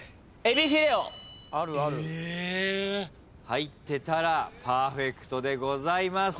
入ってたらパーフェクトでございます。